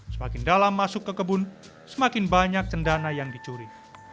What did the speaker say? semakin dalam masuk ke kebun semakin banyak cendana yang dicuri